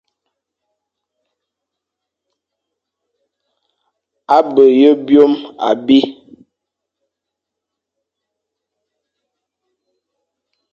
A be ye byôm abî,